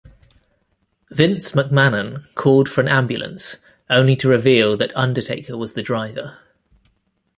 Vince McMahon called for an ambulance, only to reveal that Undertaker was the driver.